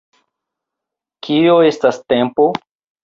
Kio estas tempo?